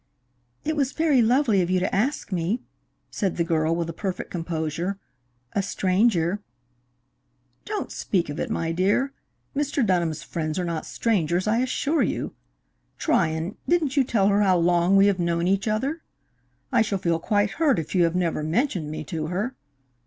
"It was very lovely of you to ask me," said the girl, with perfect composure, "a stranger " "Don't speak of it, my dear. Mr. Dunham's friends are not strangers, I assure you. Tryon, didn't you tell her how long we have known each other? I shall feel quite hurt if you have never mentioned me to her.